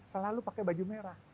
selalu pakai baju merah